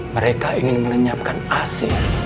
mereka ingin melenyapkan asin